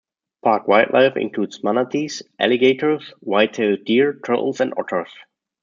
Park wildlife includes manatees, alligators, white-tailed deer, turtles and otters.